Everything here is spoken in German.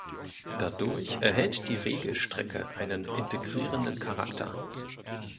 Dadurch erhält die Regelstrecke einen integrierenden Charakter.